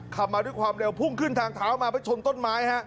ขับมาด้วยความเร็วพุ่งขึ้นทางเท้ามาไปชนต้นไม้ฮะ